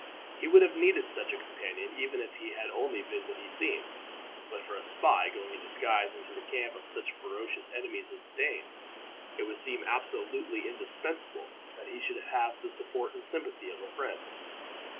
He would have needed such a companion even if he had been only what he seemed; but for a spy, going in disguise into the camp of such ferocious enemies as the Danes, it would seem absolutely indispensable that he should have the support and sympathy of a friend.